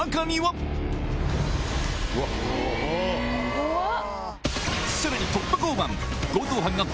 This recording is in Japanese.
怖っ！